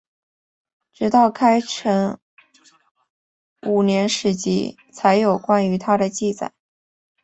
直到开成五年史籍才有关于他的记载。